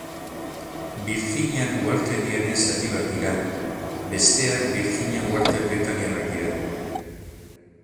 Birjina uhartediaren zati bat dira; bestea Birjina uharte britainiarrak dira.